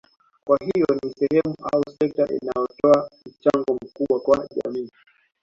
Kwa hiyo ni sehemu au sekta inayotoa mchango mkubwa kwa jamii